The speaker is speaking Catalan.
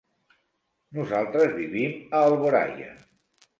Nosaltres vivim a Alboraia.